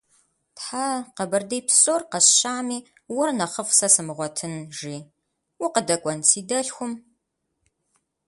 Тхьэ, Къэбэрдей псор къэсщами, уэр нэхъыфӏ сэ сымыгъуэтын!- жи. - Укъыдэкӏуэн си дэлъхум?